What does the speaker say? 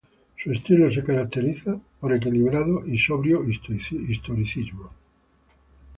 Su estilo se caracteriza por un equilibrado y sobrio historicismo.